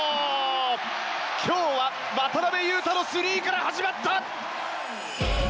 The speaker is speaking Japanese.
今日は渡邉雄太のスリーから始まった！